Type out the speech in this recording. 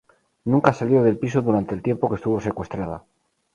Nunca salió del piso durante el tiempo que estuvo secuestrada.